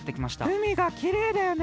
うみがきれいだよね。